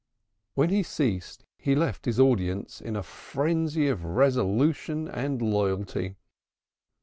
When he ceased he left his audience in a frenzy of resolution and loyalty.